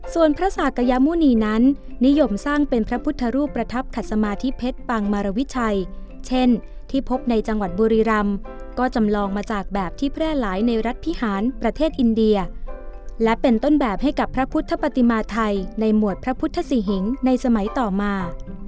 ส่วนพระศากยมุณีนั้นนิยมสร้างเป็นพระพุทธรูปประทับขัดสมาธิเพชรปางมารวิชัยเช่นที่พบในจังหวัดบุรีรำก็จำลองมาจากแบบที่แพร่หลายในรัฐพิหารประเทศอินเดียและเป็นต้นแบบให้กับพระพุทธปฏิมาไทยในหมวดพระพุทธศรีหิงในสมัยต่อมา